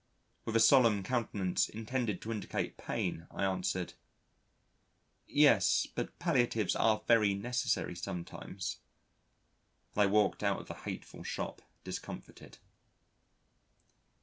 With a solemn countenance intended to indicate pain I answered: "Yes, but palliatives are very necessary sometimes," and I walked out of the hateful shop discomfited.